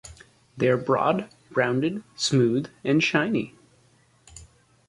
They are broad, rounded, smooth and shiny.